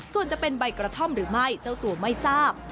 ส่วนจะเป็นใบกระท่อมหรือไม่เจ้าตัวไม่ทราบ